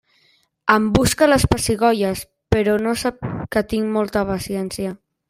Em busca les pessigolles, però no sap que tinc molta paciència.